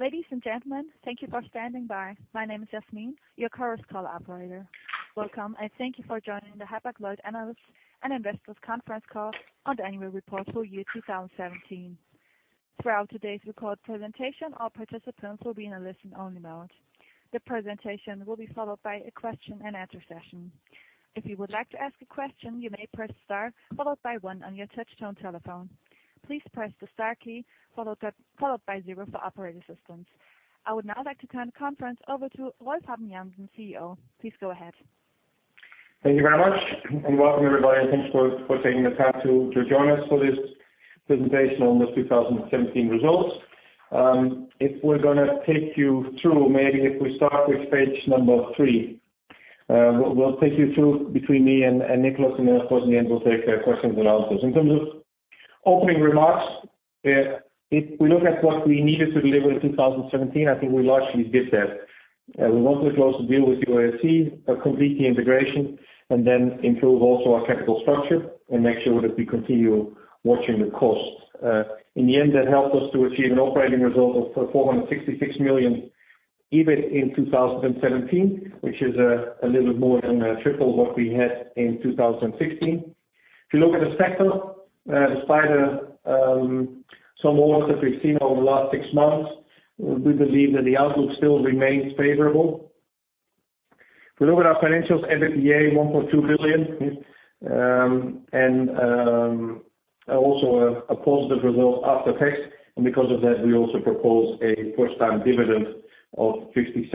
Ladies and gentlemen, thank you for standing by. My name is Yasmin, your current call operator. Welcome, and thank you for joining the Hapag-Lloyd Analysts and Investors Conference Call on the Annual Report for year 2017. Throughout today's recorded presentation, all participants will be in a listen-only mode. The presentation will be followed by a question-and-answer session. If you would like to ask a question, you may press star followed by one on your touchtone telephone. Please press the star key followed by zero for operator assistance. I would now like to turn the conference over to Rolf Habben Jansen, CEO. Please go ahead. Thank you very much, and welcome everybody, and thanks for taking the time to join us for this presentation on the 2017 results. If we're gonna take you through, maybe if we start with page 3, we'll take you through between me and Nicolás, and then, of course, in the end, we'll take questions and answers. In terms of opening remarks, if we look at what we needed to deliver in 2017, I think we largely did that. We wanted to close the deal with UASC, complete the integration, and then improve also our capital structure, and make sure that we continue watching the costs. In the end, that helped us to achieve an operating result of 466 million EBIT in 2017, which is a little more than triple what we had in 2016. If you look at the sector, despite some orders that we've seen over the last six months, we believe that the outlook still remains favorable. If you look at our financials, EBITDA 1.2 billion, and also a positive result after tax. Because of that, we also propose a first time dividend of 0.67.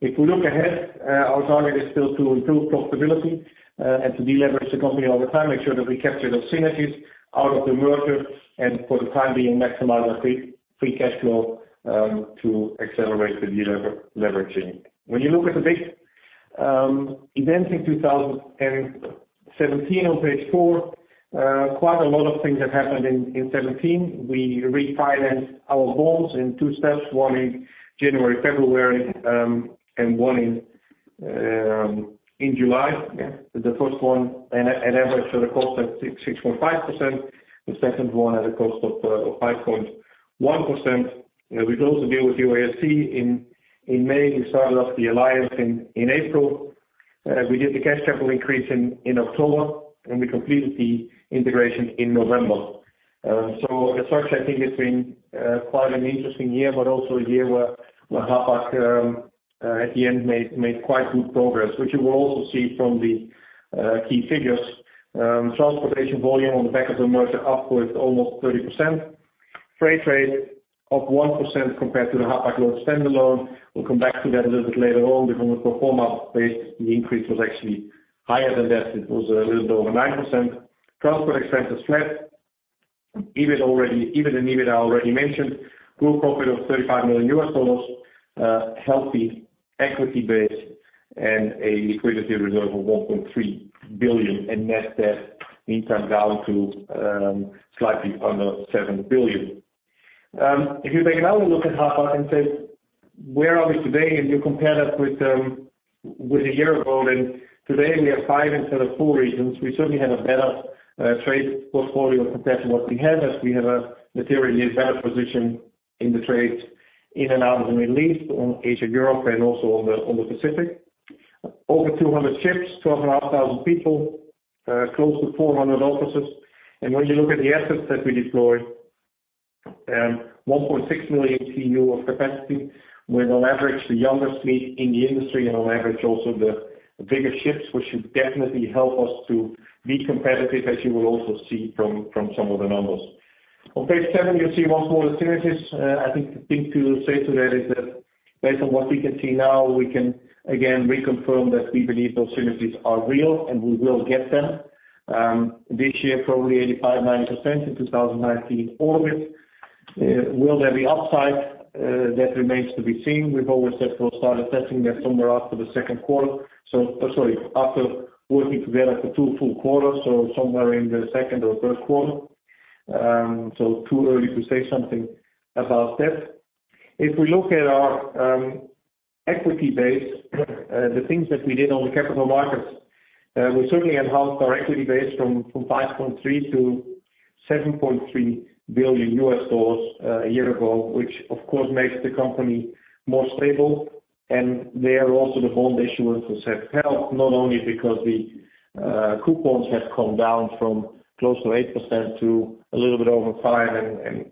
If we look ahead, our target is still to improve profitability, and to deleverage the company all the time, make sure that we capture those synergies out of the merger and for the time being, maximize our free cash flow to accelerate the deleveraging. When you look at the big events in 2017 on page four, quite a lot of things have happened in 2017. We refinanced our bonds in two steps, one in January, February, and one in July. The first one at an average cost of 6.5%. The second one at a cost of 5.1%. We closed the deal with UASC in May. We started off the alliance in April. We did the cash capital increase in October, and we completed the integration in November. As such, I think it's been quite an interesting year, but also a year where Hapag-Lloyd at the end made quite good progress, which you will also see from the key figures. Transportation volume on the back of the merger up almost 30%. Freight rate up 1% compared to the Hapag-Lloyd standalone. We'll come back to that a little bit later on. From a pro forma base, the increase was actually higher than that. It was a little bit over 9%. Transport expenses flat. EBIT and EBITDA I already mentioned. Group profit of $35 million. Healthy equity base and a liquidity reserve of 1.3 billion and net debt meantime down to slightly under 7 billion. If you take another look at Hapag and say, "Where are we today?" You compare that with a year ago, and today we have five instead of four regions. We certainly have a better trade portfolio compared to what we had, as we have a materially better position in the trades in and out of the Middle East, on Asia, Europe, and also on the Pacific. Over 200 ships, 12,500 people, close to 400 offices. When you look at the assets that we deploy, 1.6 million TEU of capacity. We have on average the youngest fleet in the industry, and on average also the bigger ships, which should definitely help us to be competitive, as you will also see from some of the numbers. On page 7, you'll see once more the synergies. I think the thing to say to that is that based on what we can see now, we can again reconfirm that we believe those synergies are real, and we will get them. This year, probably 85%-90%. In 2019, all of it. Will there be upside? That remains to be seen. We've always said we'll start assessing that somewhere after the second quarter. After working together for two full quarters, so somewhere in the second or first quarter. So too early to say something about that. If we look at our equity base, the things that we did on the capital markets, we certainly enhanced our equity base from $5.3 billion-$7.3 billion a year ago, which of course makes the company more stable. There also the bond issuance has helped, not only because the coupons have come down from close to 8% to a little bit over 5% and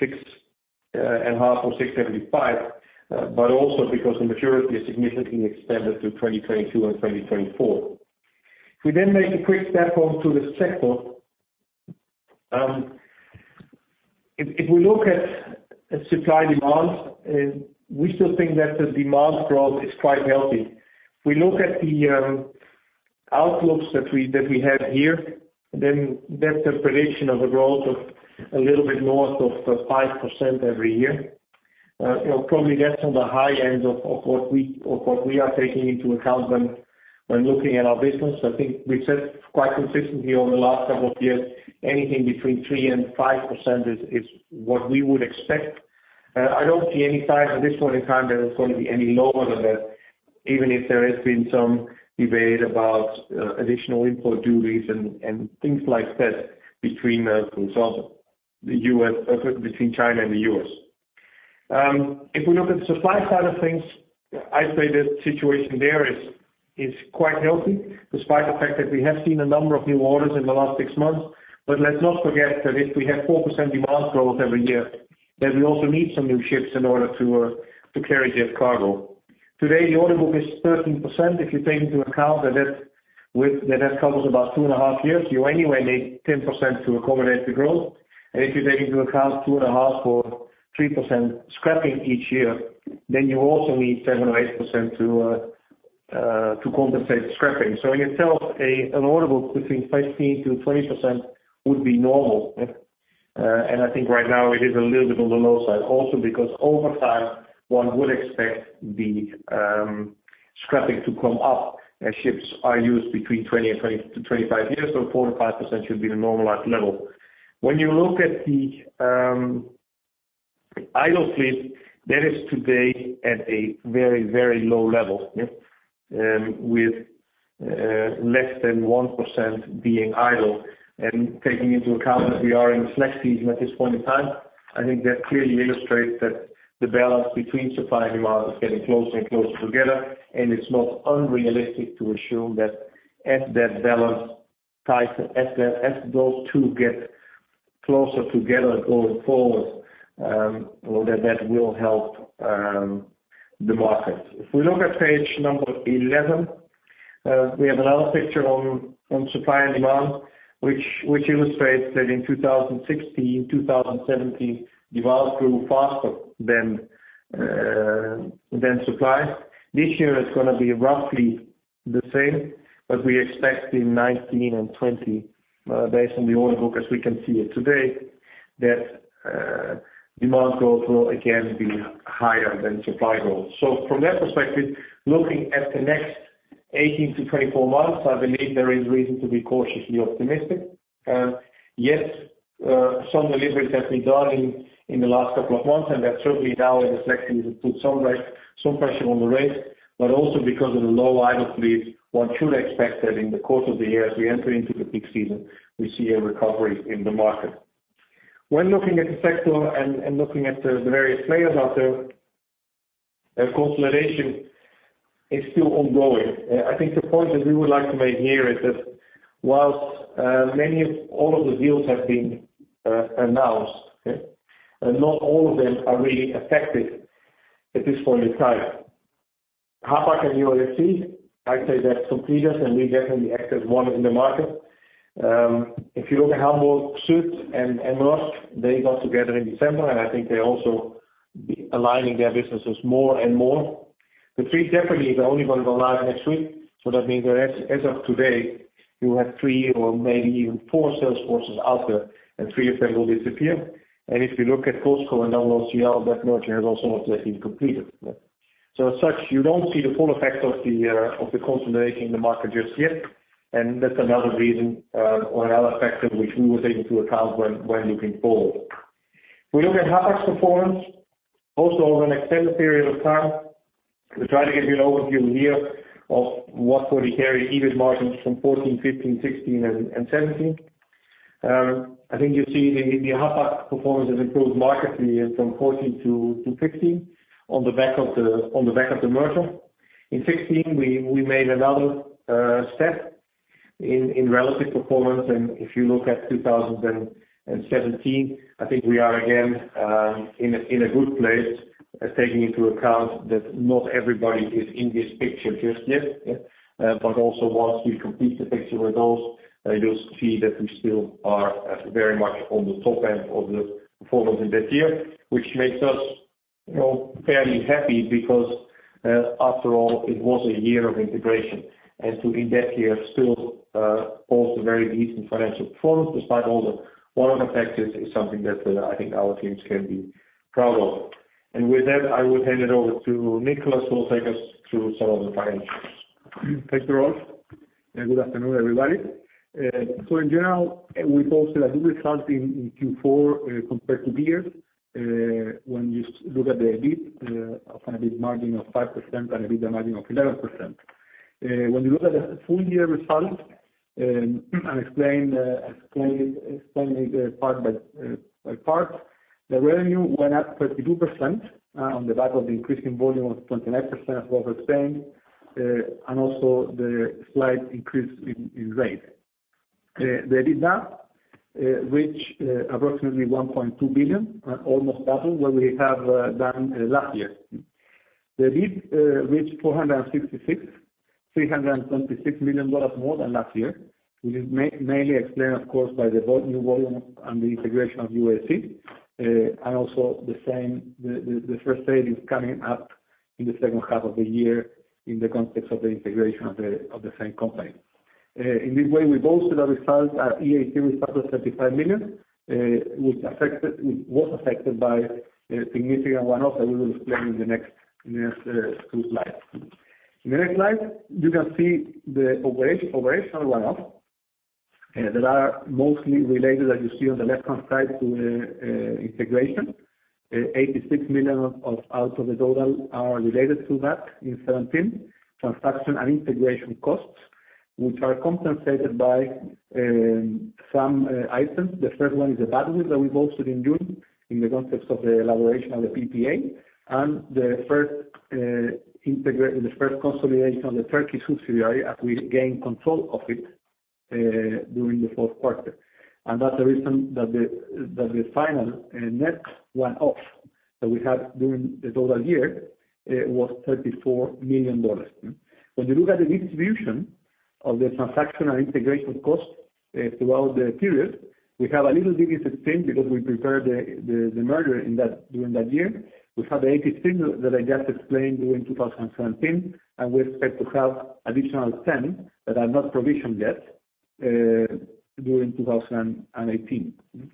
6.5% or 6.75%, but also because the maturity is significantly extended to 2022 and 2024. If we then make a quick step onto the sector, if we look at supply and demand, we still think that the demand growth is quite healthy. If we look at the outlooks that we have here, then that's a prediction of a growth of a little bit north of 5% every year. You know, probably that's on the high end of what we are taking into account when looking at our business. I think we've said quite consistently over the last couple of years, anything between 3%-5% is what we would expect. I don't see any sign at this point in time that it's going to be any lower than that. Even if there has been some debate about additional import duties and things like that between the U.S. and China. If we look at the supply side of things, I'd say the situation there is quite healthy, despite the fact that we have seen a number of new orders in the last six months. Let's not forget that if we have 4% demand growth every year, then we also need some new ships in order to carry the cargo. Today, the order book is 13%. If you take into account that it covers about two and a half years, you anyway need 10% to accommodate the growth. If you take into account 2.5 or 3% scrapping each year, then you also need 7% or 8% to compensate the scrapping. In itself, an order book between 15%-20% would be normal. I think right now it is a little bit on the low side, also because over time, one would expect the scrapping to come up as ships are used between 20 and 25 years, so 4%-5% should be the normalized level. When you look at the idle fleet, that is today at a very, very low level. With less than 1% being idle. Taking into account that we are in the slack season at this point in time, I think that clearly illustrates that the balance between supply and demand is getting closer and closer together, and it's not unrealistic to assume that as that balance tightens, as those two get closer together going forward, that will help the market. If we look at page 11, we have another picture on supply and demand, which illustrates that in 2016, 2017, demand grew faster than supply. This year, it's gonna be roughly the same, but we expect in 2019 and 2020, based on the order book as we can see it today, that demand growth will again be higher than supply growth. From that perspective, looking at the next 18-24 months, I believe there is reason to be cautiously optimistic. Yes, some deliveries have been done in the last couple of months, and that certainly now in the second quarter put some pressure on the rate, but also because of the low idle fleet, one should expect that in the course of the year, as we enter into the peak season, we see a recovery in the market. When looking at the sector and looking at the various players out there, the consolidation is still ongoing. I think the point that we would like to make here is that whilst many of all of the deals have been announced, yeah, not all of them are really effective at this point in time. Hapag and UASC, I'd say that's completed, and we definitely act as one in the market. If you look at Hamburg Süd and the rest, they got together in December, and I think they're also aligning their businesses more and more. The three separate is only gonna go live next week. That means that as of today, you have three or maybe even four sales forces out there, and three of them will disappear. If you look at COSCO and OOCL, that merger has also not yet been completed. As such, you don't see the full effect of the consolidation in the market just yet. That's another reason or another factor which we would take into account when looking forward. We look at Hapag's performance, also over an extended period of time. We try to give you an overview here of what we carry EBIT margins from 14, 15, 16, and 17. I think you see the Hapag-Lloyd performance has improved markedly from 2014 to 2015 on the back of the merger. In 2016, we made another step in relative performance. If you look at 2017, I think we are again in a good place, taking into account that not everybody is in this picture just yet. Also once we complete the picture with those, you'll see that we still are very much on the top end of the performance in that year, which makes us, you know, fairly happy because, after all, it was a year of integration. Too, in that year, still post a very decent financial performance, despite all the one-off effects, is something that I think our teams can be proud of. With that, I will hand it over to Nicolás, who will take us through some of the financials. Thanks, Rolf. Good afternoon, everybody. In general, we posted a good result in Q4 compared to the years. When you look at the EBIT of an EBIT margin of 5% and EBITDA margin of 11%. When you look at the full year results and explain it part by part, the revenue went up 32% on the back of the increasing volume of 29% of what we're paying and also the slight increase in rate. The EBITDA reached approximately $1.2 billion, almost double what we have done last year. The EBIT reached $466 million, $326 million more than last year, which is mainly explained, of course, by the new volume and the integration of UASC. The same first trade is coming up in the second half of the year in the context of the integration of the same company. In this way, we posted a result at EAT of +35 million, which was affected by a significant one-off that we will explain in the next two slides. In the next slide, you can see the operational one-off. That are mostly related, as you see on the left-hand side, to the integration. 86 million out of the total are related to that in 2017. Transaction and integration costs, which are compensated by some items. The first one is the badwill that we've also done during, in the context of the elaboration of the PPA. The first consolidation of the Turkey subsidiary as we gain control of it during the fourth quarter. That's the reason that the final net one-off that we have during the total year was $34 million. When you look at the distribution of the transaction and integration costs throughout the period, we have a little bit of 16 because we prepared the merger during that year. We have the 18 that I just explained during 2017, and we expect to have additional 10 that are not provisioned yet during 2018. Our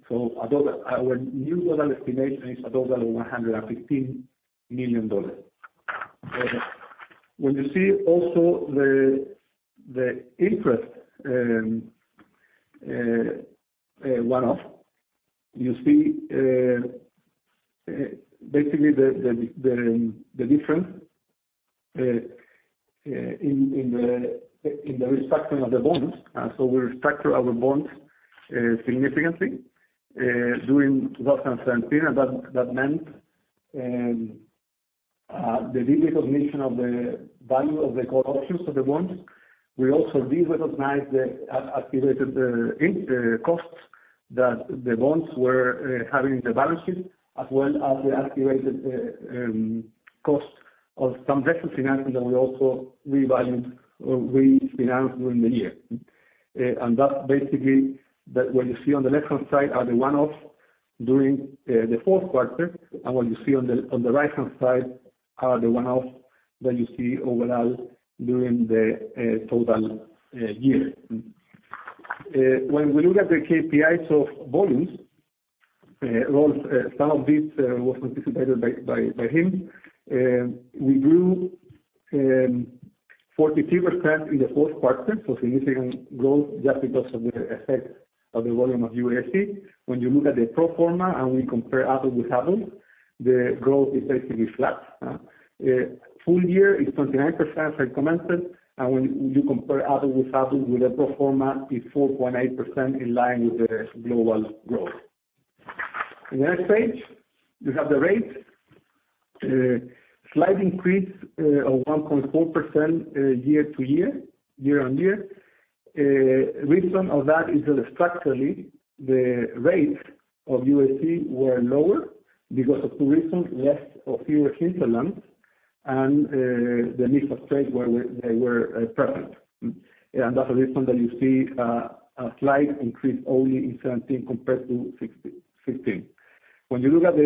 new total estimation is a total of $115 million. When you see also the interest one-off, you see basically the difference in the restructuring of the bonds. We restructure our bonds significantly during 2017. That meant the re-recognition of the value of the call options of the bonds. We also re-recognized the activated costs that the bonds were having in the balance sheet. As well as the activated cost of some vessel financing that we also revalued or refinanced during the year. That's basically what you see on the left-hand side are the one-offs during the fourth quarter. What you see on the right-hand side are the one-offs that you see overall during the total year. When we look at the KPIs of volumes, Rolf, some of this was anticipated by him. We grew 43% in the fourth quarter. Significant growth just because of the effect of the volume of UASC. When you look at the pro forma and we compare apple with apple, the growth is basically flat. Full year is 29% as I commented. When you compare apple with apple with the pro forma is 4.8% in line with the global growth. In the next page, you have the rates. Slight increase of 1.4% year-on-year. Reason of that is that structurally, the rates of UASC were lower because of two reasons. Less or fewer hinterlands and the Intra-Asia trade where they were present. That's the reason that you see a slight increase only in 2017 compared to 2016. When you look at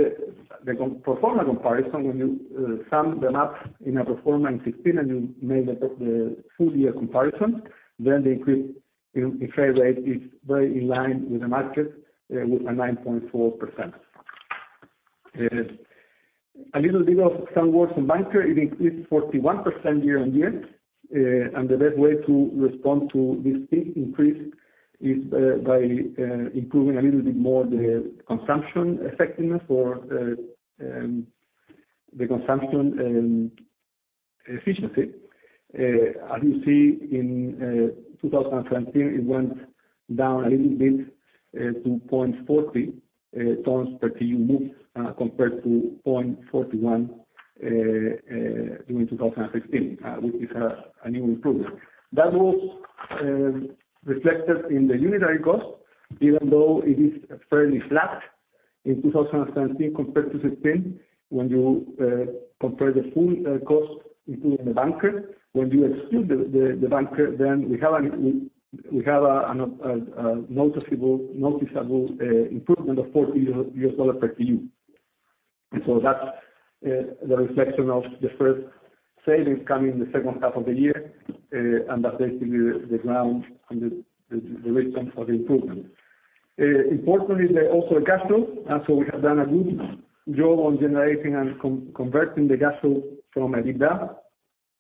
the pro forma comparison, when you sum them up in a pro forma in 2016 and you make the full year comparison, then the increase in freight rate is very in line with the market with a 9.4%. A little bit of ton-mile on container, it increased 41% year-over-year. The best way to respond to this big increase is by improving a little bit more the consumption effectiveness or the consumption efficiency. As you see in 2017, it went down a little bit to 0.40 tons per TEU moved compared to 0.41 during 2016, which is a new improvement. That was reflected in the unit cost, even though it is fairly flat in 2017 compared to 2016. When you compare the full cost, including the bunker, when you exclude the bunker, then we have a noticeable improvement of $40 per TEU. That's the reflection of the first savings coming in the second half of the year. That's basically the ground and the reason for the improvement. Importantly, also the cash flow. We have done a good job on generating and converting the cash flow from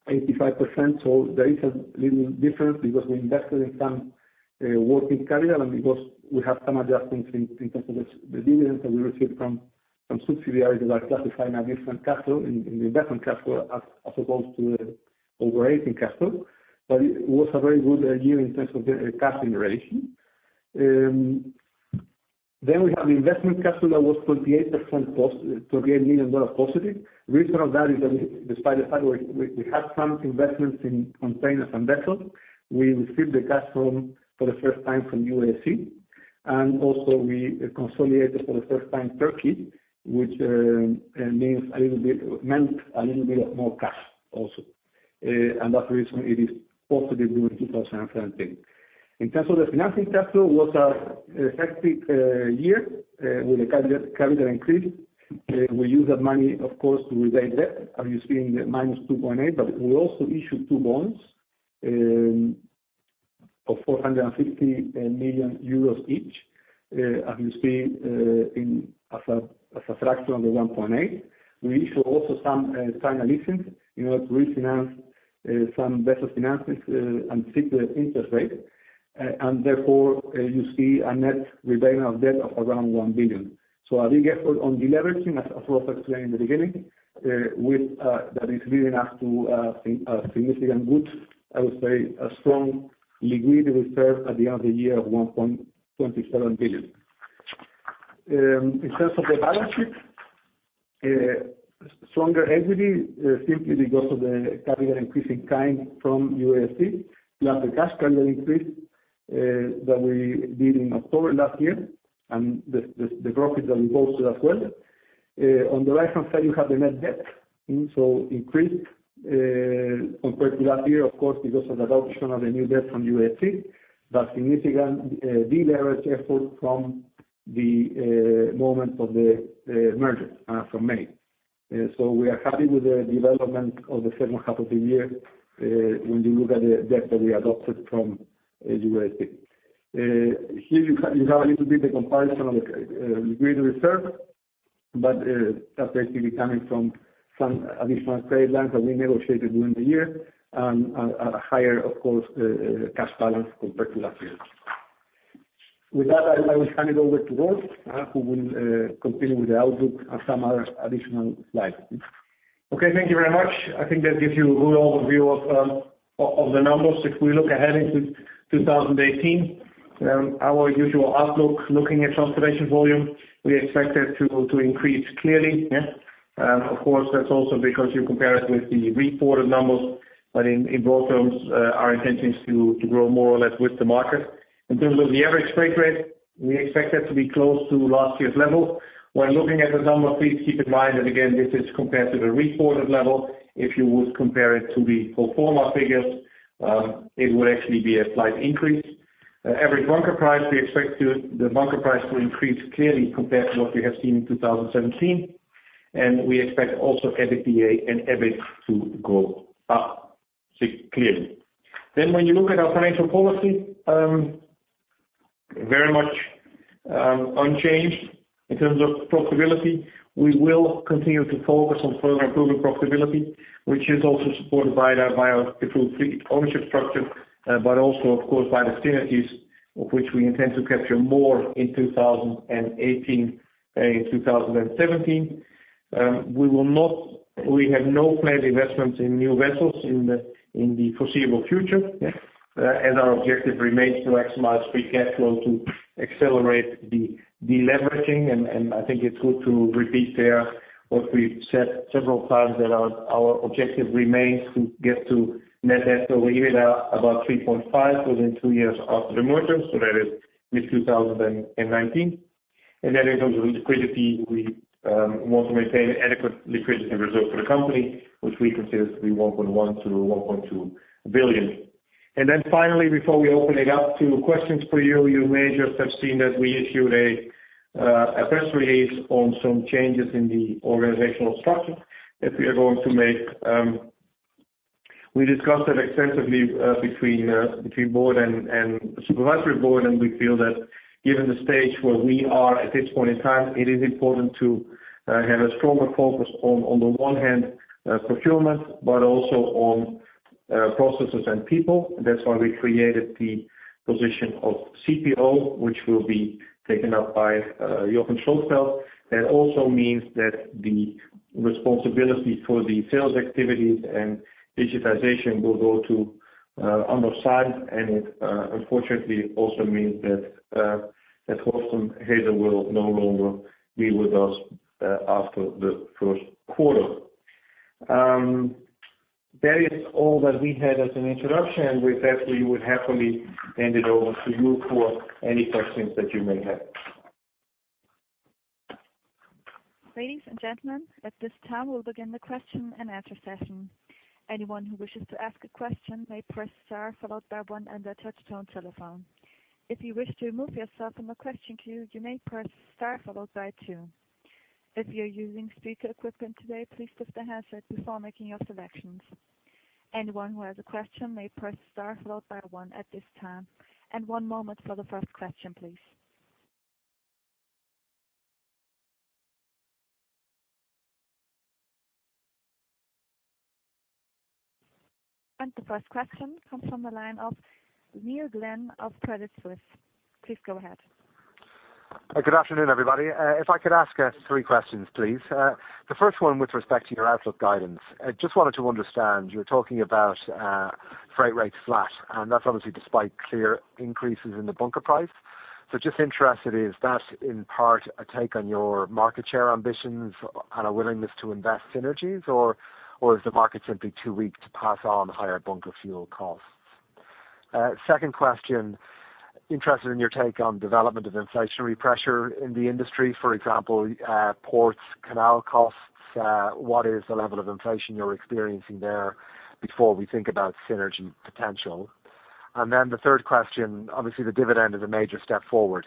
EBITDA, 85%. There is a little difference because we invested in some working capital and because we have some adjustments in terms of the dividends that we received from subsidiaries that are classified in a different cash flow in investing cash flow as opposed to operating cash flow. It was a very good year in terms of the cash generation. We have the investing cash flow that was $28 million positive. Reason of that is that despite the fact we had some investments in containers and vessels, we received the cash flow for the first time from UASC. We consolidated for the first time Turkey, which meant a little bit of more cash also. That's the reason it is positive during 2017. In terms of the financing cash flow, it was a hectic year with a capital increase. We used that money, of course, to repay debt. You're seeing the minus 2.8. We also issued two bonds of 450 million euros each. As you see, as a fraction of the 1.8. We issue also some tiny leasing in order to refinance some vessel financings and fix the interest rate. Therefore, you see a net repayment of debt of around 1 billion. A big effort on deleveraging, as Rolf explained in the beginning, that is leading us to a significant good, I would say a strong liquidity reserve at the end of the year of 1.27 billion. In terms of the balance sheet, stronger equity, simply because of the capital increase in kind from UASC, plus the cash capital increase that we did in October last year, and the profit that we posted as well. On the right-hand side, you have the net debt. Increased, compared to last year, of course, because of addition of the new debt from UASC, but significant deleverage effort from the moment of the merger, from May. We are happy with the development of the second half of the year, when you look at the debt that we adopted from UASC. Here you have a little bit the comparison of liquid reserve, but that's basically coming from some additional trade lines that we negotiated during the year and higher, of course, cash balance compared to last year. With that, I will hand it over to Rolf, who will continue with the outlook and some other additional slides. Okay, thank you very much. I think that gives you a good overview of the numbers. If we look ahead into 2018, our usual outlook, looking at transportation volume, we expect that to increase clearly. Of course, that's also because you compare it with the reported numbers, but in both terms, our intention is to grow more or less with the market. In terms of the average freight rate, we expect that to be close to last year's level. When looking at the number, please keep in mind that again, this is compared to the reported level. If you would compare it to the pro forma figures, it would actually be a slight increase. We expect the average bunker price to increase clearly compared to what we have seen in 2017. We expect also EBITDA and EBIT to go up, see clearly. When you look at our financial policy, very much unchanged in terms of profitability. We will continue to focus on further improving profitability, which is also supported by our high fleet ownership structure, but also of course, by the synergies of which we intend to capture more in 2018, in 2017. We have no planned investments in new vessels in the foreseeable future. Our objective remains to maximize free cash flow to accelerate the deleveraging. I think it's good to repeat there what we've said several times that our objective remains to get to net debt over here, about 3.5 billion within two years after the merger, so that is mid-2019. Then in terms of liquidity, we want to maintain adequate liquidity reserves for the company, which we consider to be 1.1 billion-1.2 billion. Then finally, before we open it up to questions for you may just have seen that we issued a press release on some changes in the organizational structure that we are going to make. We discussed that extensively between board and supervisory board, and we feel that given the stage where we are at this point in time, it is important to have a stronger focus on the one hand, procurement, but also on processes and people. That's why we created the position of CPO, which will be taken up by Joachim Schlotfeldt. That also means that the responsibility for the sales activities and digitization will go to Anthony J. Firmin, and it unfortunately also means that Thorsten Haeser will no longer be with us after the first quarter. That is all that we had as an introduction. With that, we would happily hand it over to you for any questions that you may have. Ladies and gentlemen, at this time, we'll begin the question and answer session. Anyone who wishes to ask a question may press star followed by one on their touchtone telephone. If you wish to remove yourself from the question queue, you may press star followed by two. If you're using speaker equipment today, please press the hashtag before making your selections. Anyone who has a question may press star followed by one at this time. One moment for the first question, please. The first question comes from the line of Neil Glynn of Credit Suisse. Please go ahead. Good afternoon, everybody. If I could ask three questions, please. The first one with respect to your outlook guidance, I just wanted to understand, you're talking about freight rates flat, and that's obviously despite clear increases in the bunker price. Just interested, is that in part a take on your market share ambitions and a willingness to invest synergies, or is the market simply too weak to pass on higher bunker fuel costs? Second question, interested in your take on development of inflationary pressure in the industry. For example, ports, canal costs, what is the level of inflation you're experiencing there before we think about synergy potential? Then the third question, obviously, the dividend is a major step forward.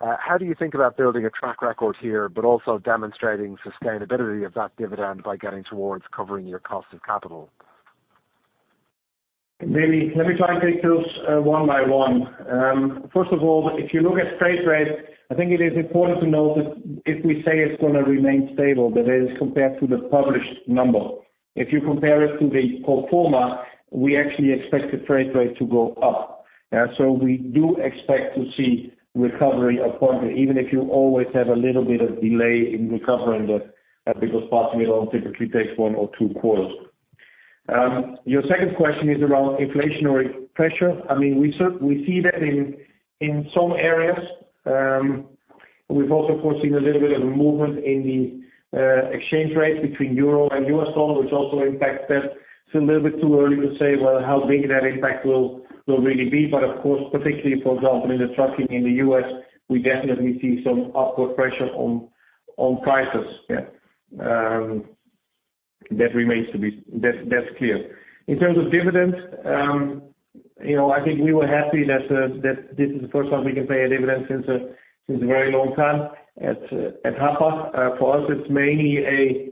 How do you think about building a track record here, but also demonstrating sustainability of that dividend by getting towards covering your cost of capital? Maybe. Let me try and take those one by one. First of all, if you look at freight rate, I think it is important to note that if we say it's gonna remain stable, that is compared to the published number. If you compare it to the pro forma, we actually expect the freight rate to go up. We do expect to see recovery of volume, even if you always have a little bit of delay in recovering that, because spot load typically takes one or two quarters. Your second question is around inflationary pressure. I mean, we see that in some areas. We've also foreseen a little bit of a movement in the exchange rate between Euro and U.S. dollar, which also impacts that. It's a little bit too early to say, well, how big that impact will really be. Of course, particularly for example, in the trucking in the U.S., we definitely see some upward pressure on prices, yeah. That remains to be seen. That's clear. In terms of dividends, you know, I think we were happy that this is the first time we can pay a dividend since a very long time at Hapag. For us, it's mainly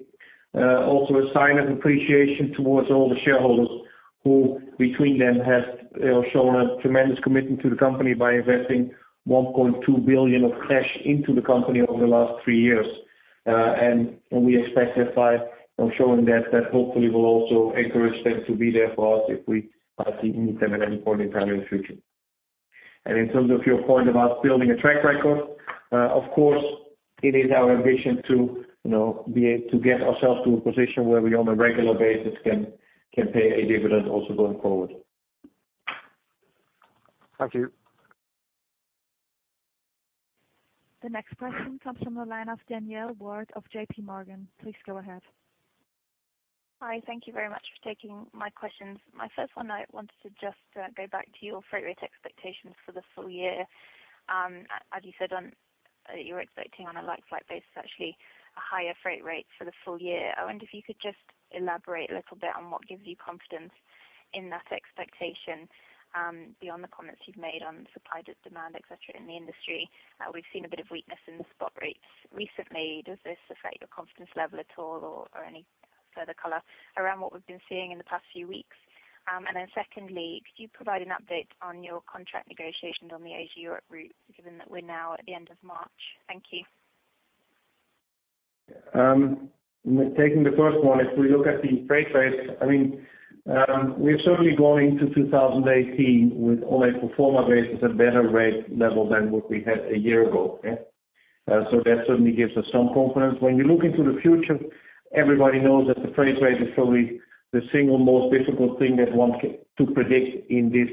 also a sign of appreciation towards all the shareholders who between them have, you know, shown a tremendous commitment to the company by investing 1.2 billion of cash into the company over the last three years. We expect that by, you know, showing that hopefully will also encourage them to be there for us if we seek them at any point in time in the future. In terms of your point about building a track record, of course, it is our ambition to, you know, to get ourselves to a position where we on a regular basis can pay a dividend also going forward. Thank you. The next question comes from the line of Danielle Ward of JPMorgan. Please go ahead. Hi. Thank you very much for taking my questions. My first one, I wanted to just go back to your freight rate expectations for the full year. As you said, you're expecting on a like-for-like basis, actually a higher freight rate for the full year. I wonder if you could just elaborate a little bit on what gives you confidence in that expectation, beyond the comments you've made on supply, demand, et cetera, in the industry. We've seen a bit of weakness in the spot rates recently. Does this affect your confidence level at all or any further color around what we've been seeing in the past few weeks? And then secondly, could you provide an update on your contract negotiations on the Asia-Europe route, given that we're now at the end of March? Thank you. Taking the first one. If we look at the freight rates, I mean, we are certainly going into 2018 with all our pro forma rates is a better rate level than what we had a year ago, yeah. So that certainly gives us some confidence. When you look into the future, everybody knows that the freight rate is probably the single most difficult thing that one can to predict in this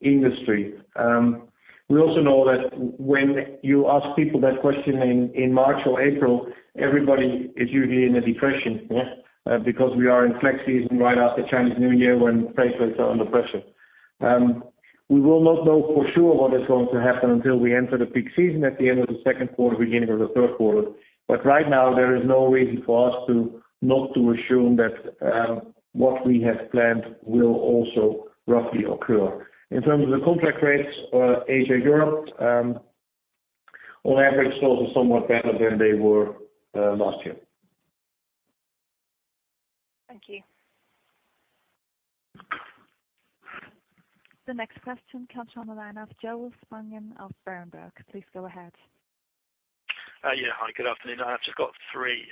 industry. We also know that when you ask people that question in March or April, everybody is usually in a depression, yeah? Because we are in slack season right after Chinese New Year, when freight rates are under pressure. We will not know for sure what is going to happen until we enter the peak season at the end of the second quarter, beginning of the third quarter. Right now, there is no reason for us to not to assume that what we have planned will also roughly occur. In terms of the contract rates, Asia-Europe, on average, those are somewhat better than they were last year. Thank you. The next question comes from the line of Joel Spungin of Berenberg. Please go ahead. Yeah. Hi, good afternoon. I've just got three.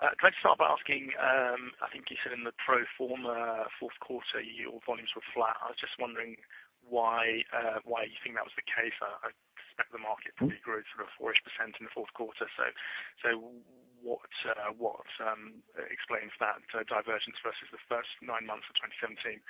Can I start by asking, I think you said in the pro forma fourth quarter, your volumes were flat. I was just wondering why you think that was the case. I expect the market probably grew sort of 4-ish% in the fourth quarter. What explains that divergence versus the first nine months of 2017?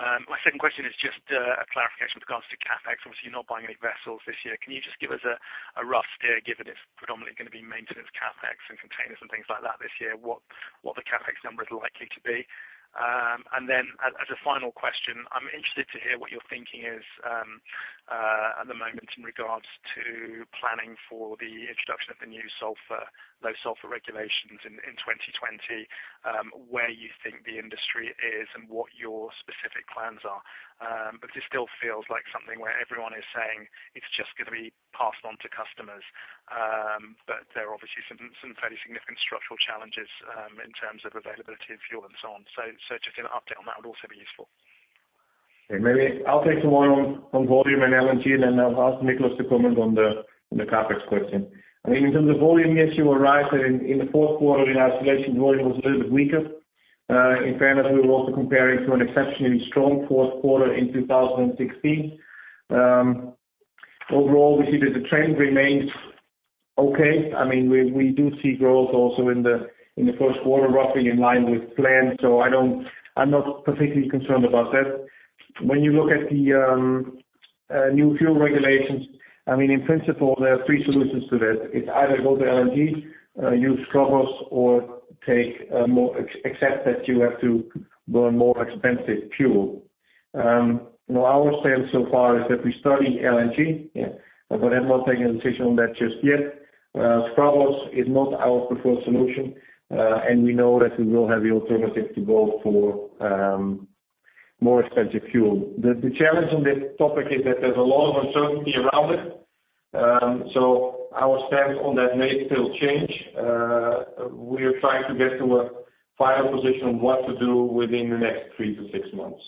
My second question is just a clarification with regards to CapEx. Obviously, you're not buying any vessels this year. Can you just give us a rough steer, given it's predominantly gonna be maintenance CapEx and containers and things like that this year? What the CapEx number is likely to be? And then as a final question, I'm interested to hear what your thinking is at the moment in regards to planning for the introduction of the new low-sulfur regulations in 2020. Where you think the industry is and what your specific plans are. It still feels like something where everyone is saying it's just gonna be passed on to customers. There are obviously some fairly significant structural challenges in terms of availability of fuel and so on. Just an update on that would also be useful. Okay, maybe I'll take the one on volume and LNG, and then I'll ask Nicolás to comment on the CapEx question. I mean, in terms of volume, yes, you are right. In the fourth quarter in isolation, volume was a little bit weaker. In fairness, we were also comparing to an exceptionally strong fourth quarter in 2016. Overall we see that the trend remains okay. I mean, we do see growth also in the first quarter, roughly in line with plan. I'm not particularly concerned about that. When you look at the new fuel regulations, I mean, in principle, there are three solutions to that. It's either go to LNG, use scrubbers, or accept that you have to burn more expensive fuel. You know, our stance so far is that we study LNG, yeah. I'm not taking a decision on that just yet. Scrubbers is not our preferred solution. We know that we will have the alternative to go for more expensive fuel. The challenge on this topic is that there's a lot of uncertainty around it. Our stance on that may still change. We are trying to get to a final position on what to do within the next 3-6 months.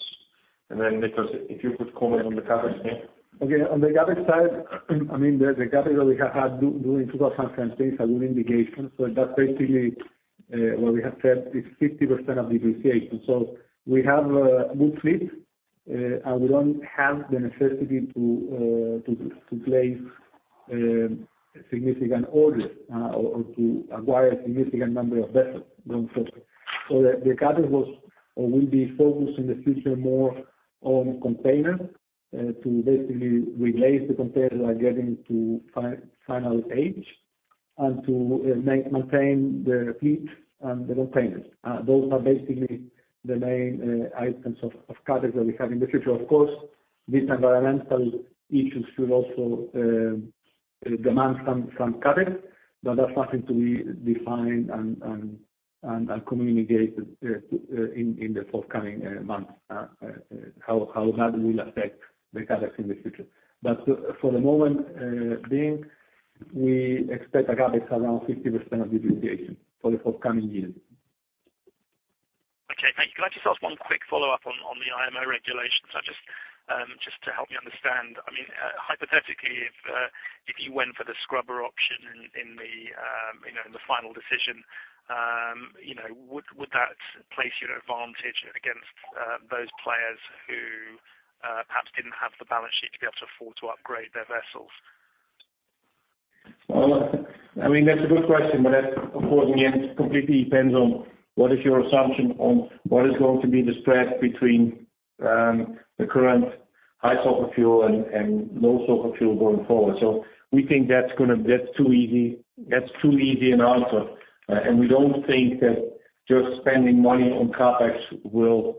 Nicolás, if you could comment on the CapEx thing. Okay. On the CapEx side, I mean, the CapEx that we have had during 2013 is a good indication. That's basically what we have said is 50% of depreciation. We have a good fleet, and we don't have the necessity to place a significant order or to acquire a significant number of vessels going forward. The CapEx will be focused in the future more on containers to basically replace the containers that are getting to final age and to maintain the fleet and the containers. Those are basically the main items of CapEx that we have in the future. Of course, these environmental issues should also demand some CapEx, but that's something to be defined and communicated in the forthcoming months. How that will affect the CapEx in the future. For the moment being, we expect a CapEx around 50% of depreciation for the forthcoming years. Okay, thank you. Can I just ask one quick follow-up on the IMO regulations? Just to help me understand, I mean, hypothetically, if you went for the scrubber option in the final decision, you know, would that place you at advantage against those players who perhaps didn't have the balance sheet to be able to afford to upgrade their vessels? Well, I mean, that's a good question, but that, of course, in the end, completely depends on what is your assumption on what is going to be the spread between the current high sulfur fuel and low sulfur fuel going forward. We think that's too easy an answer. We don't think that just spending money on CapEx will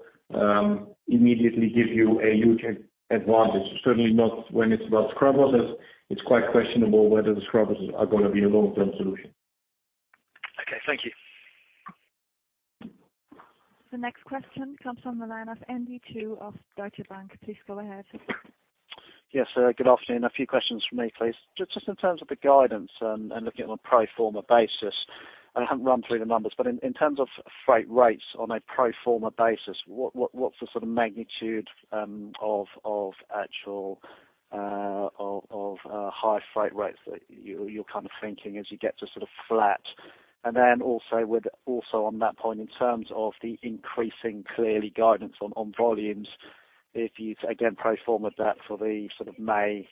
immediately give you a huge advantage. Certainly not when it's about scrubbers, as it's quite questionable whether the scrubbers are gonna be a long-term solution. Okay, thank you. The next question comes from the line of Andy Chu of Deutsche Bank. Please go ahead. Yes, good afternoon. A few questions from me, please. Just in terms of the guidance and looking at a pro forma basis, I haven't run through the numbers, but in terms of freight rates on a pro forma basis, what's the sort of magnitude of actual high freight rates that you're kind of thinking as you get to sort of flat? Also on that point, in terms of the increasingly clear guidance on volumes, if you again pro forma that for the sort of May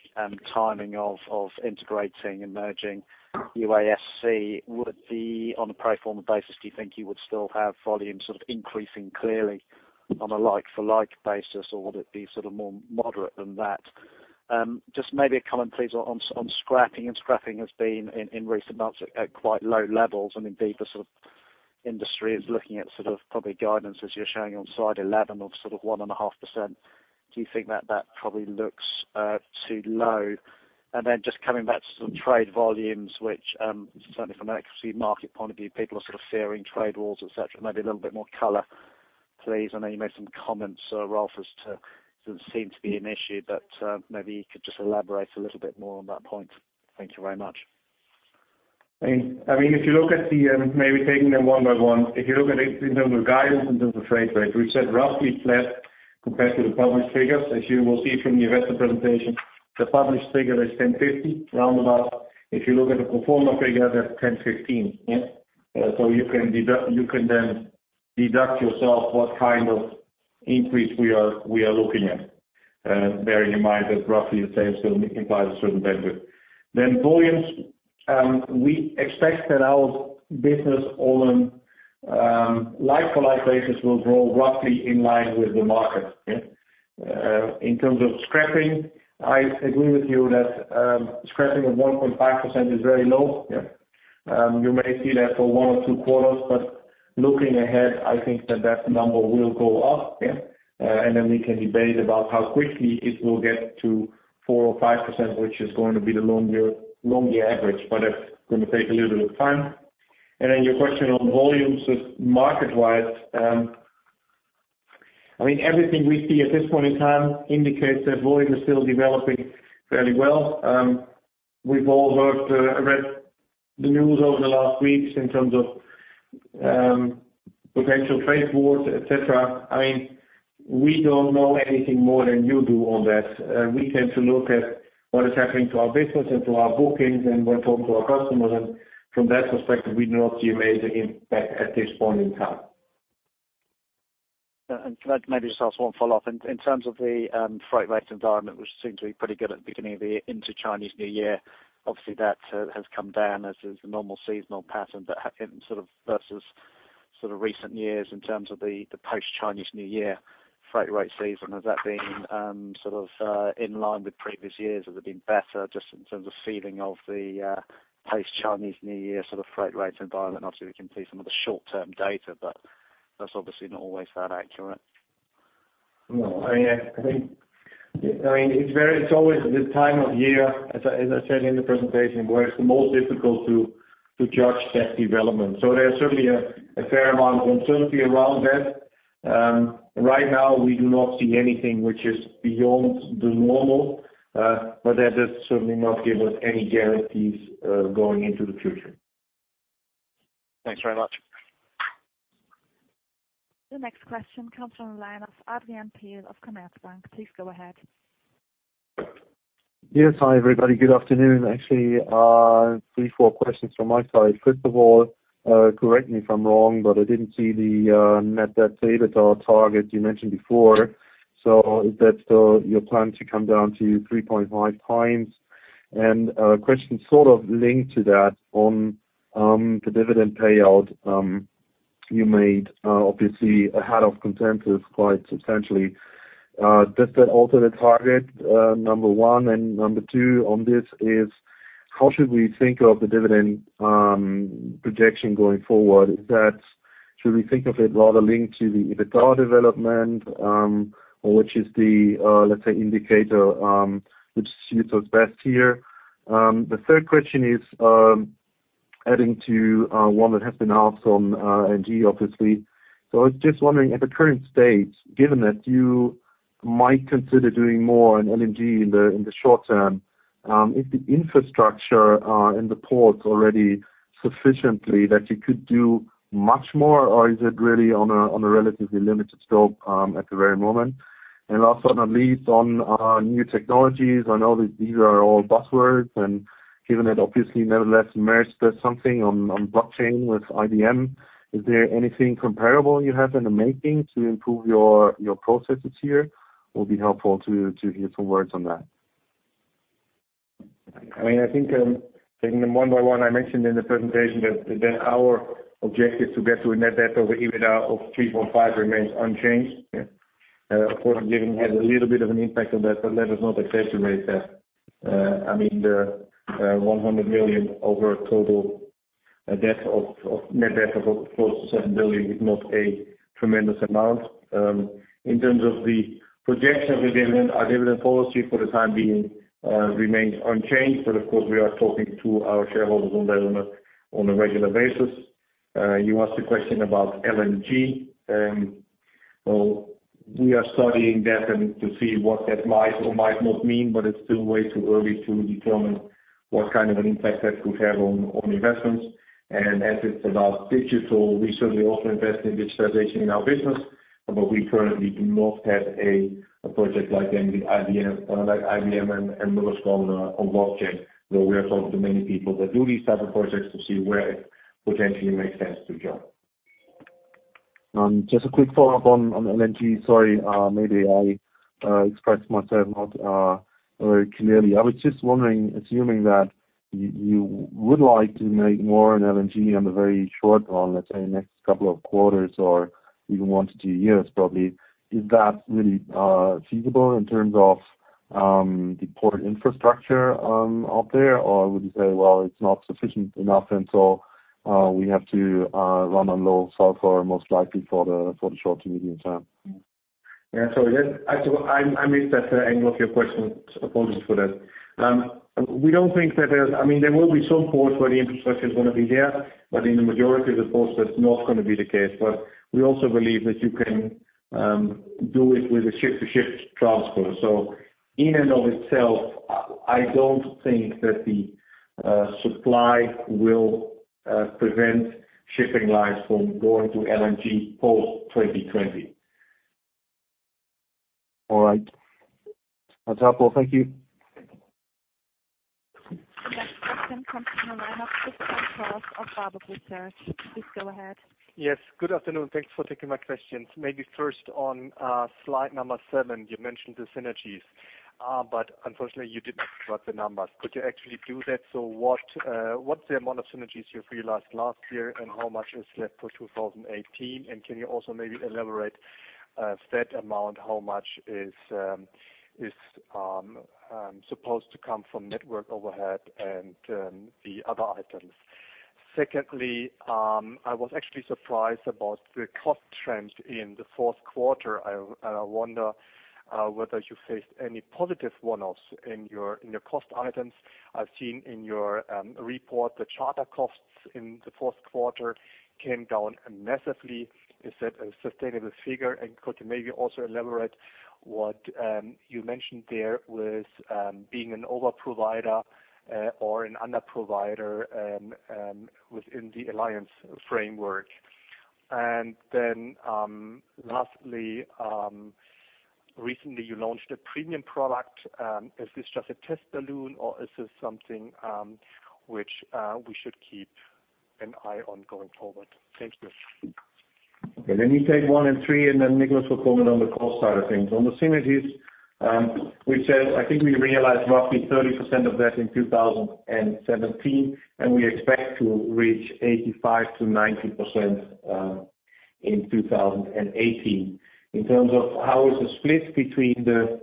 timing of integrating and merging UASC, would be on a pro forma basis, do you think you would still have volumes sort of increasing, clearly on a like for like basis, or would it be sort of more moderate than that? Just maybe a comment, please, on scrapping. Scrapping has been in recent months at quite low levels. I mean, the sort of industry is looking at sort of probably guidance as you're showing on slide 11 of sort of 1.5%. Do you think that probably looks too low? Then just coming back to some trade volumes, which certainly from an Maersk sea market point of view, people are sort of fearing trade wars, et cetera. Maybe a little bit more color, please. I know you made some comments, Rolf, as to. It seemed to be an issue, but maybe you could just elaborate a little bit more on that point. Thank you very much. I mean, if you look at the, maybe taking them one by one. If you look at it in terms of guidance, in terms of freight rate, we've said roughly flat compared to the published figures. As you will see from the investor presentation, the published figure is $1,050, round about. If you look at the pro forma figure, that's $1,015, yeah. So you can then deduce yourself what kind of increase we are looking at, bearing in mind that roughly the same still implies a certain bandwidth. Then volumes, we expect that our business on a like-for-like basis will grow roughly in line with the market, yeah. In terms of scrapping, I agree with you that scrapping of 1.5% is very low, yeah. You may see that for one or two quarters, but looking ahead, I think that number will go up, yeah. We can debate about how quickly it will get to 4% or 5%, which is going to be the long-term average, but it's gonna take a little bit of time. Your question on volumes. Market wise, I mean, everything we see at this point in time indicates that volume is still developing fairly well. We've all heard and read the news over the last weeks in terms of potential trade wars, etc. I mean, we don't know anything more than you do on that. We tend to look at what is happening to our business and to our bookings and when talking to our customers, and from that perspective, we do not see a major impact at this point in time. Can I maybe just ask one follow-up? In terms of the freight rate environment, which seems to be pretty good at the beginning of the year into Chinese New Year, obviously that has come down as is the normal seasonal pattern in sort of versus recent years in terms of the post Chinese New Year freight rate season. Has that been sort of in line with previous years? Has it been better just in terms of feeling of the post Chinese New Year sort of freight rate environment? Obviously, we can see some of the short-term data, but that's obviously not always that accurate. No. I think, I mean, it's very, it's always this time of year, as I said in the presentation, where it's the most difficult to judge that development. So there's certainly a fair amount of uncertainty around that. Right now we do not see anything which is beyond the normal, but that does certainly not give us any guarantees going into the future. Thanks very much. The next question comes from the line of Adrian Pehl of Commerzbank. Please go ahead. Yes. Hi, everybody. Good afternoon. Actually, three, four questions from my side. First of all, correct me if I'm wrong, but I didn't see the net debt to EBITDA target you mentioned before. Is that still your plan to come down to 3.5x? Question sort of linked to that on the dividend payout you made obviously ahead of consensus quite substantially. Does that alter the target number one? Number two on this is how should we think of the dividend projection going forward? Should we think of it rather linked to the EBITDA development, or which is the, let's say, indicator which suits us best here? The third question is adding to one that has been asked on LNG obviously. I was just wondering at the current state, given that you might consider doing more on LNG in the short term, is the infrastructure in the ports already sufficiently that you could do much more or is it really on a relatively limited scope at the very moment? Last but not least, on new technologies, I know these are all buzzwords, and given that obviously nevertheless Maersk does something on blockchain with IBM, is there anything comparable you have in the making to improve your processes here? Will be helpful to hear some words on that. I mean, I think, taking them one by one, I mentioned in the presentation that our objective to get to a net debt over EBITDA of 3.5 remains unchanged. Yeah. Of course, giving has a little bit of an impact on that, but that does not affect the rate there. I mean, the 100 million over total net debt of close to 7 billion is not a tremendous amount. In terms of the projection of the dividend, our dividend policy for the time being remains unchanged. Of course, we are talking to our shareholders on that on a regular basis. You asked a question about LNG. Well, we are studying that and to see what that might or might not mean, but it's still way too early to determine what kind of an impact that could have on investments. As it's about digital, we certainly also invest in digitization in our business. We currently do not have a project like IBM and Maersk on blockchain. Though we are talking to many people that do these types of projects to see where it potentially makes sense to go. Just a quick follow-up on LNG. Sorry, maybe I expressed myself not very clearly. I was just wondering, assuming that you would like to make more on LNG on the very short run, let's say next couple of quarters or even one to two years probably, is that really feasible in terms of the port infrastructure out there? Or would you say, well, it's not sufficient enough and so we have to run on low sulfur most likely for the short to medium term? Yeah. Again, actually, I missed that angle of your question. Apologies for that. We don't think I mean, there will be some ports where the infrastructure is gonna be there, but in the majority of the ports that's not gonna be the case. We also believe that you can do it with a ship-to-ship transfer. In and of itself, I don't think that the supply will prevent shipping lines from going to LNG post 2020. All right. That's helpful. Thank you. The next question comes from the line of Cristian Nedelcu of Berenberg. Please go ahead. Yes. Good afternoon. Thanks for taking my questions. Maybe first on slide 7, you mentioned the synergies. But unfortunately, you did not provide the numbers. Could you actually do that? So what's the amount of synergies you realized last year, and how much is left for 2018? And can you also maybe elaborate if that amount, how much is supposed to come from network overhead and the other items? Secondly, I was actually surprised about the cost trends in the fourth quarter. I wonder whether you faced any positive one-offs in your cost items. I've seen in your report the charter costs in the fourth quarter came down massively. Is that a sustainable figure? Could you maybe also elaborate what you mentioned there with being an overprovider or an underprovider within the alliance framework? Lastly, recently you launched a premium product. Is this just a test balloon or is this something which we should keep an eye on going forward? Thank you. Okay. Let me take one and three and then Nicolás will comment on the cost side of things. On the synergies, we said I think we realized roughly 30% of that in 2017, and we expect to reach 85%-90% in 2018. In terms of how is the split between the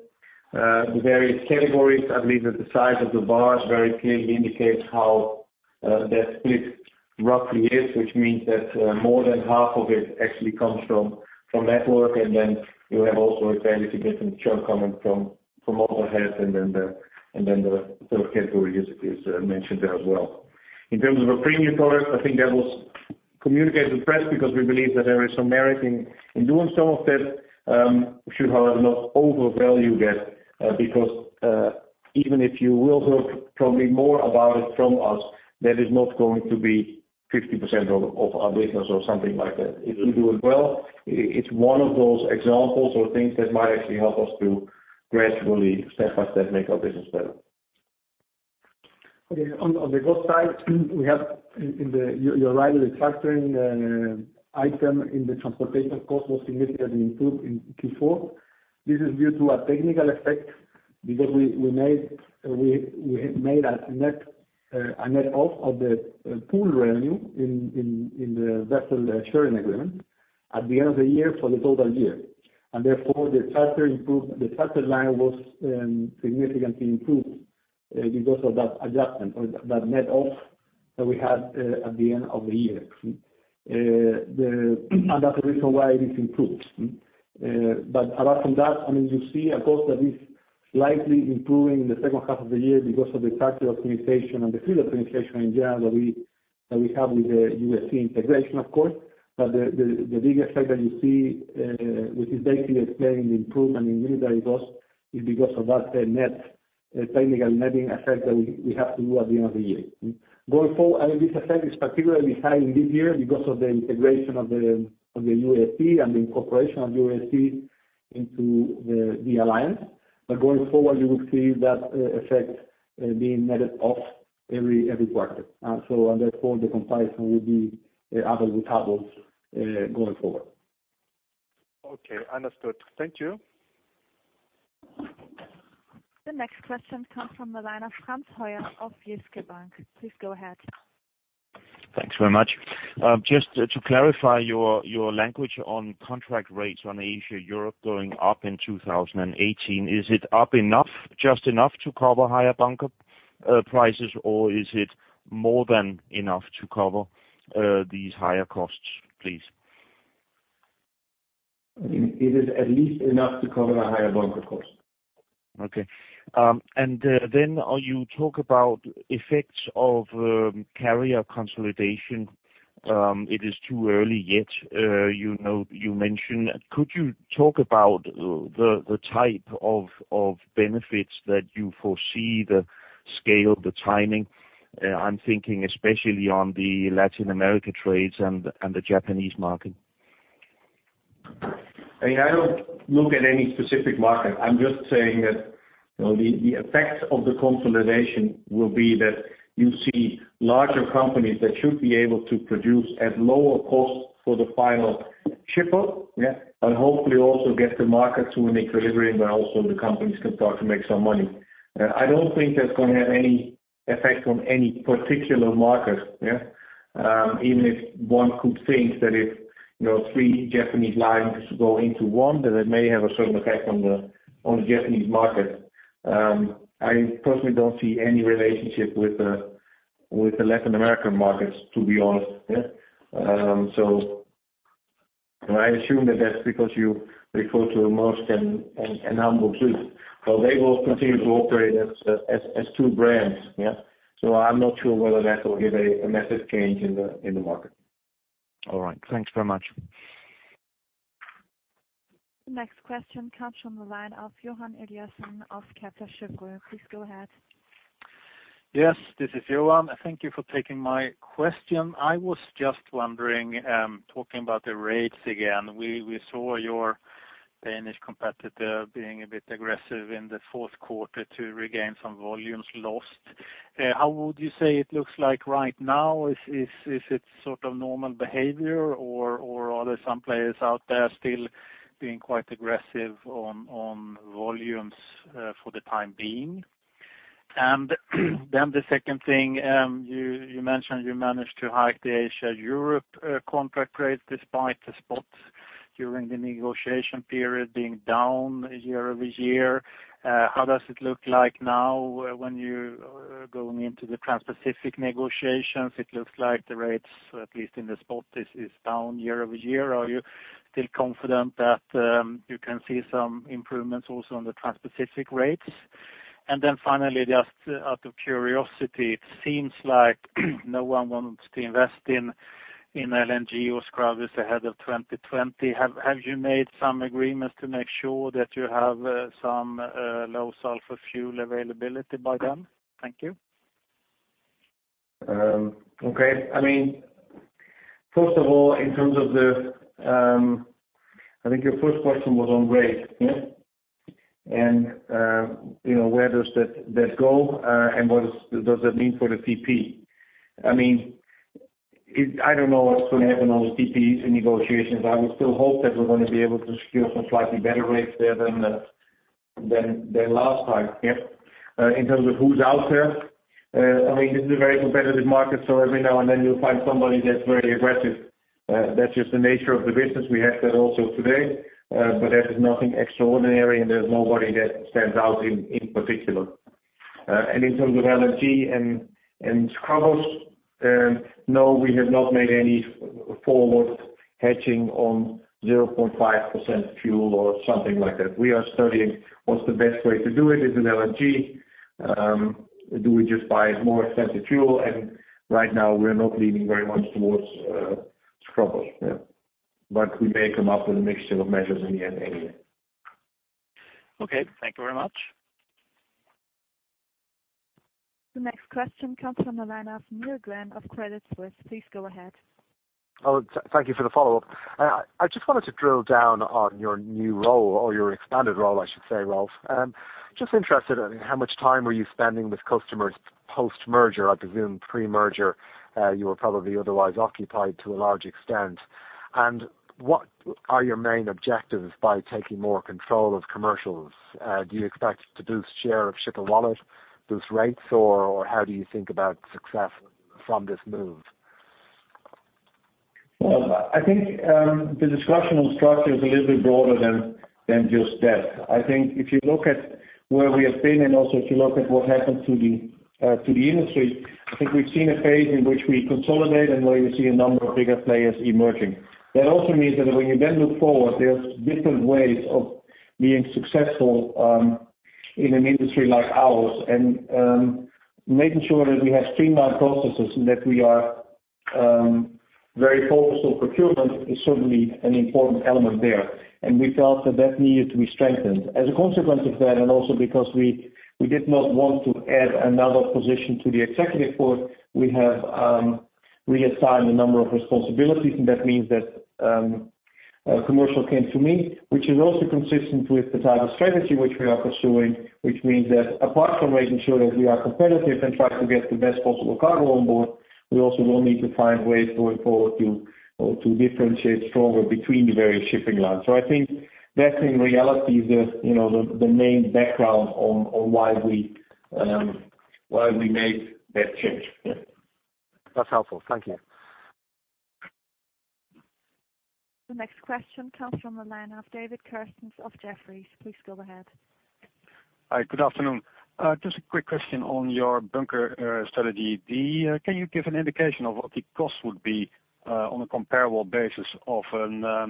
various categories, I believe that the size of the bars very clearly indicates how that split roughly is, which means that more than half of it actually comes from network. Then you have also a fairly significant chunk coming from overhead and then the third category is mentioned there as well. In terms of a premium product, I think that was communicated to the press because we believe that there is some merit in doing some of that. We should, however, not overvalue that, because even if you will hear probably more about it from us, that is not going to be 50% of our business or something like that. If we do it well, it's one of those examples or things that might actually help us to gradually, step-by-step, make our business better. Okay. On the cost side, you're right, the factoring item in the transportation cost was significantly improved in Q4. This is due to a technical effect because we made a net off of the pool revenue in the vessel sharing agreement at the end of the year for the total year. Therefore, the charter line was significantly improved because of that adjustment or that net off that we had at the end of the year. That's the reason why it is improved. Apart from that, I mean, you see a cost that is slightly improving in the second half of the year because of the charter optimization and the fleet optimization in general that we have with the UASC integration, of course. The biggest effect that you see, which is basically explaining the improvement in unitary cost is because of that net technical netting effect that we have to do at the end of the year. This effect is particularly high in this year because of the integration of the UASC and the incorporation of UASC into the alliance. Going forward, you will see that effect being netted off every quarter. Therefore the comparison will be apples with apples going forward. Okay. Understood. Thank you. The next question comes from the line of Frans Høyer of Jyske Bank. Please go ahead. Thanks very much. Just to clarify your language on contract rates on Asia-Europe going up in 2018. Is it up enough, just enough to cover higher bunker prices, or is it more than enough to cover these higher costs, please? I mean, it is at least enough to cover the higher bunker costs. Okay. You talk about effects of carrier consolidation. It is too early yet, you know, you mentioned. Could you talk about the type of benefits that you foresee, the scale, the timing? I'm thinking especially on the Latin America trades and the Japanese market. I mean, I don't look at any specific market. I'm just saying that, you know, the effects of the consolidation will be that you see larger companies that should be able to produce at lower costs for the final shipper, yeah? And hopefully also get the market to an equilibrium where also the companies can start to make some money. I don't think that's gonna have any effect on any particular market. Yeah. Even if one could think that if, you know, three Japanese lines go into one, then it may have a certain effect on the Japanese market. I personally don't see any relationship with the Latin American markets, to be honest. Yeah. I assume that that's because you refer to Maersk and Hapag-Lloyd. Well, they will continue to operate as two brands. Yeah. I'm not sure whether that will give a massive change in the market. All right. Thanks very much. Next question comes from the line of Johan Eliason of Kepler Cheuvreux. Please go ahead. Yes, this is Johan. Thank you for taking my question. I was just wondering, talking about the rates again. We saw your Danish competitor being a bit aggressive in the fourth quarter to regain some volumes lost. How would you say it looks like right now? Is it sort of normal behavior or are there some players out there still being quite aggressive on volumes for the time being? The second thing, you mentioned you managed to hike the Asia-Europe contract rates despite the spots during the negotiation period being down year-over-year. How does it look like now when you are going into the Transpacific negotiations? It looks like the rates, at least in the spot, is down year-over-year. Are you still confident that you can see some improvements also on the Transpacific rates? Finally, just out of curiosity, it seems like no one wants to invest in LNG or scrubbers ahead of 2020. Have you made some agreements to make sure that you have some low sulfur fuel availability by then? Thank you. Okay. I mean, first of all, in terms of the, I think your first question was on rates. Yeah. You know, where does that go, and what does that mean for the TP? I mean, I don't know what's gonna happen on the TP in negotiations. I would still hope that we're gonna be able to secure some slightly better rates there than last time. Yeah. In terms of who's out there, I mean, this is a very competitive market, so every now and then you'll find somebody that's very aggressive. That's just the nature of the business. We have that also today. But that is nothing extraordinary, and there's nobody that stands out in particular. In terms of LNG and scrubbers, no, we have not made any forward hedging on 0.5% fuel or something like that. We are studying what's the best way to do it. Is it LNG? Do we just buy more expensive fuel? Right now, we're not leaning very much towards scrubbers. We make them up with a mixture of measures in the end anyway. Okay. Thank you very much. The next question comes from the line of Neil Glynn of Credit Suisse. Please go ahead. Thank you for the follow-up. I just wanted to drill down on your new role or your expanded role, I should say, Rolf. Just interested in how much time are you spending with customers post-merger. I presume pre-merger, you were probably otherwise occupied to a large extent. What are your main objectives by taking more control of commercials? Do you expect to boost share of shipper wallet, boost rates, or how do you think about success from this move? Well, I think the discussion on structure is a little bit broader than just that. I think if you look at where we have been, and also if you look at what happened to the industry, I think we've seen a phase in which we consolidate and where you see a number of bigger players emerging. That also means that when you then look forward, there's different ways of being successful in an industry like ours. Making sure that we have streamlined processes and that we are very focused on procurement is certainly an important element there. We felt that that needed to be strengthened. As a consequence of that, and also because we did not want to add another position to the Executive Board, we have reassigned a number of responsibilities, and that means that commercial came to me, which is also consistent with the type of strategy which we are pursuing, which means that apart from making sure that we are competitive and try to get the best possible cargo on board, we also will need to find ways going forward to differentiate stronger between the various shipping lines. I think that in reality is the, you know, main background on why we made that change. Yeah. That's helpful. Thank you. The next question comes from the line of David Kerstens of Jefferies. Please go ahead. Hi, good afternoon. Just a quick question on your bunker strategy. Can you give an indication of what the cost would be, on a comparable basis of a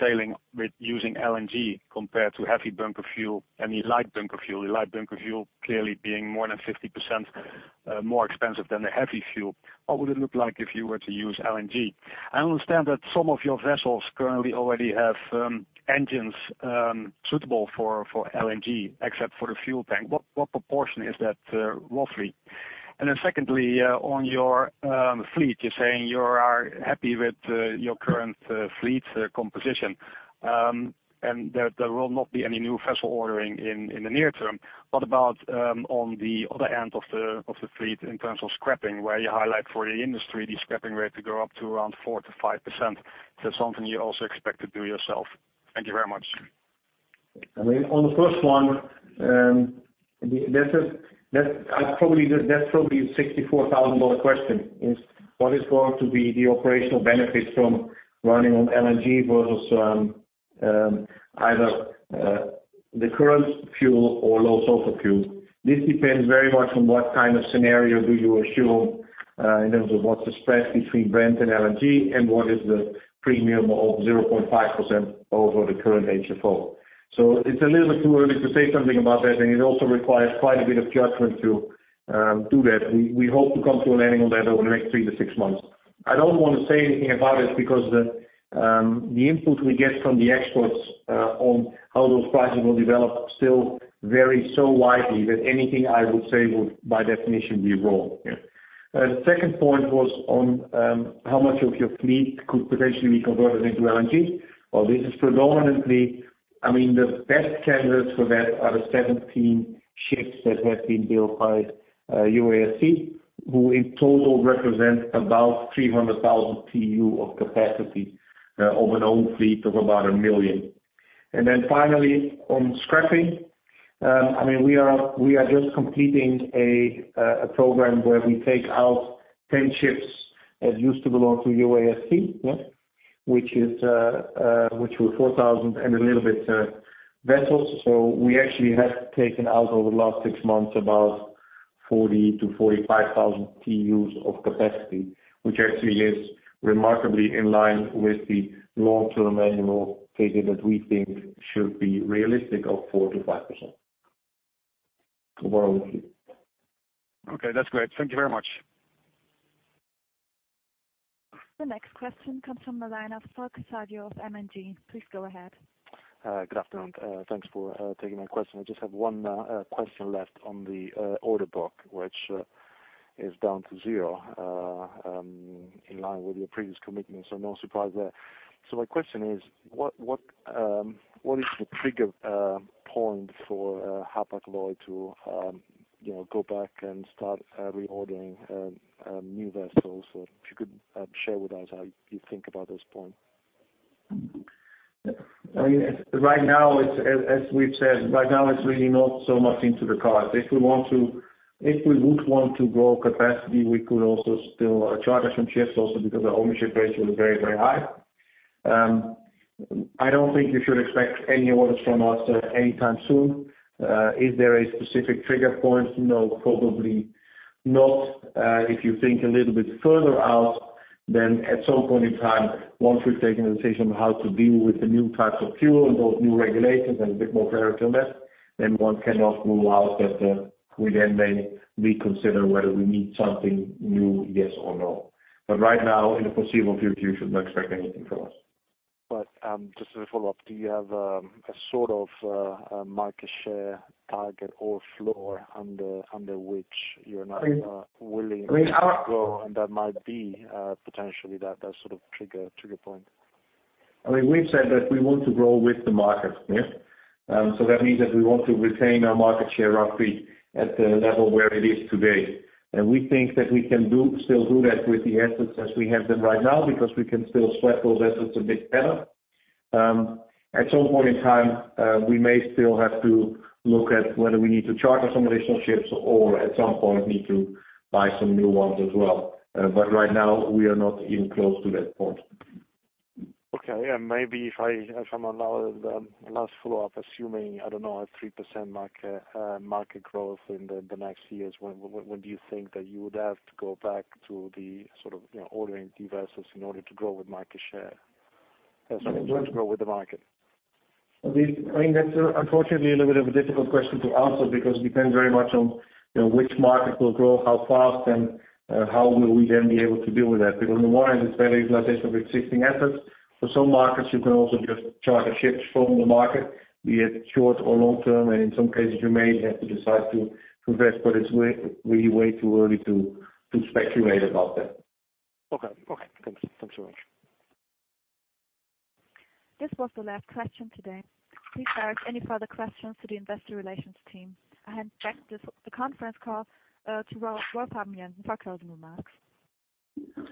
sailing using LNG compared to heavy bunker fuel, I mean, light bunker fuel? The light bunker fuel clearly being more than 50% more expensive than the heavy fuel. What would it look like if you were to use LNG? I understand that some of your vessels currently already have engines suitable for LNG, except for the fuel tank. What proportion is that, roughly? And then secondly, on your fleet, you're saying you are happy with your current fleet composition, and there will not be any new vessel ordering in the near term. What about on the other end of the fleet in terms of scrapping, where you highlight for the industry, the scrapping rate to go up to around 4%-5%. Is that something you also expect to do yourself? Thank you very much. I mean, on the first one, that's probably a $64,000 question, is what is going to be the operational benefits from running on LNG versus either the current fuel or low sulfur fuel. This depends very much on what kind of scenario do you assume in terms of what's the spread between Brent and LNG and what is the premium of 0.5% over the current HFO. It's a little bit too early to say something about that, and it also requires quite a bit of judgment to do that. We hope to come to a landing on that over the next 3 to 6 months. I don't wanna say anything about it because the input we get from the experts on how those prices will develop still vary so widely that anything I would say would, by definition, be wrong. Yeah. The second point was on how much of your fleet could potentially be converted into LNG. Well, this is predominantly. I mean, the best candidates for that are the 17 ships that have been built by UASC, who in total represent about 300,000 TEU of capacity, of an own fleet of about 1 million. Finally, on scrapping, I mean, we are just completing a program where we take out 10 ships that used to belong to UASC, yeah. Which were 4,000 and a little bit vessels. We actually have taken out over the last six months about 40,000-45,000 TEUs of capacity, which actually is remarkably in line with the long-term annual figure that we think should be realistic of 4%-5%. Overall view. Okay, that's great. Thank you very much. The next question comes from the line of Falk Frey of M&G. Please go ahead. Good afternoon. Thanks for taking my question. I just have one question left on the order book, which is down to zero in line with your previous commitments, so no surprise there. My question is, what is the trigger point for Hapag-Lloyd to, you know, go back and start reordering new vessels? If you could share with us how you think about this point. I mean, right now, as we've said, it's really not so much into the cards. If we would want to grow capacity, we could also still charter some ships because our ownership ratio is very, very high. I don't think you should expect any orders from us anytime soon. Is there a specific trigger point? No, probably not. If you think a little bit further out, then at some point in time, once we've taken a decision how to deal with the new types of fuel and those new regulations and a bit more clarity on that, then one cannot rule out that we then may reconsider whether we need something new, yes or no. Right now, in the foreseeable future, you should not expect anything from us. Just as a follow-up, do you have a sort of a market share target or floor under which you're not willing to go, and that might be potentially that sort of trigger point? I mean, we've said that we want to grow with the market. Yeah. That means that we want to retain our market share roughly at the level where it is today. We think that we can do, still do that with the assets as we have them right now because we can still sweat those assets a bit better. At some point in time, we may still have to look at whether we need to charter some vessels or at some point need to buy some new ones as well. Right now, we are not even close to that point. Okay. Maybe if I'm allowed a last follow-up, assuming, I don't know, 3% market growth in the next years, when do you think that you would have to go back to the sort of, you know, ordering key vessels in order to grow with market share? As you want to grow with the market. I mean, that's unfortunately a little bit of a difficult question to answer because it depends very much on, you know, which market will grow how fast and how will we then be able to deal with that? Because on the one hand, it's utilization of existing assets. For some markets, you can also just charter ships from the market, be it short or long term, and in some cases you may have to decide to invest, but it's way too early to speculate about that. Okay. Thanks very much. This was the last question today. Please direct any further questions to the investor relations team. I hand back this, the conference call, to Rolf Habben Jansen for closing remarks. Yeah. Not so much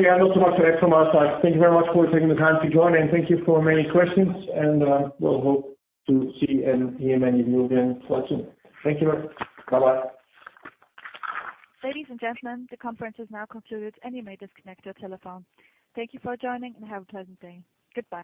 left from our side. Thank you very much for taking the time to join, and thank you for many questions, and we'll hope to see and hear many of you again quite soon. Thank you very much. Bye-bye. Ladies and gentlemen, the conference is now concluded, and you may disconnect your telephone. Thank you for joining, and have a pleasant day. Goodbye.